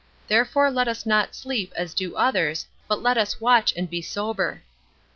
Therefore let us not sleep as do others, but let us watch and be sober."